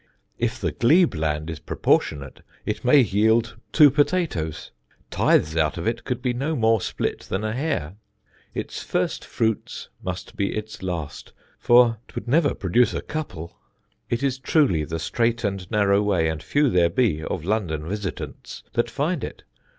If the glebe land is proportionate, it may yield two potatoes. Tythes out of it could be no more split than a hair. Its First fruits must be its Last, for 'twould never produce a couple. It is truly the strait and narrow way, and few there be (of London visitants) that find it.